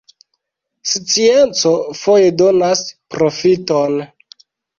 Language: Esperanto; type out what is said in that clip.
Scienco foje donas proﬁton.